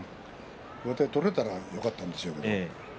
上手が取れたらよかったんでしょうけどね。